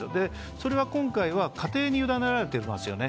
それが今回は家庭に委ねられていますよね。